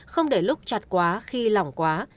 không để lúc chặt quá khi lỏng quá